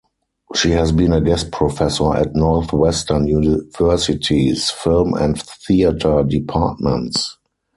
She has been a guest professor at Northwestern University's film and theater departments.